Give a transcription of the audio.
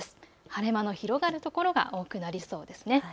晴れ間の広がる所が多くなりそうです。